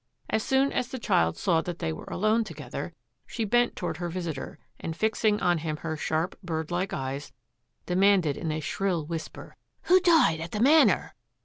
As soon as the child saw that they were alone together, she bent toward her visitor, and fixing on him her sharp, birdlike eyes, demanded in a shrill whisper, " Who died at the Manor?